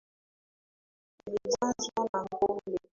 Ilijazwa na pombe